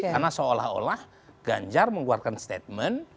karena seolah olah ganjar mengeluarkan statement